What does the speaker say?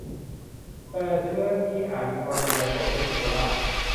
โดยเชื้อนี้อาจมีความรุนแรงกว่าเชื้ออีโบลา